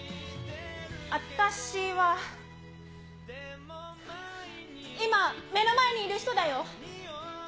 あたしは、今、目の前にいる人だよ。